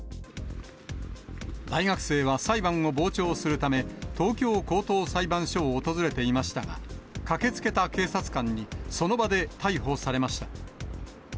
大学生は裁判を傍聴するため、東京高等裁判所を訪れていましたが、駆けつけた警察官にその場で逮捕されました。